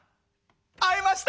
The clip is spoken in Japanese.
「会えました！」。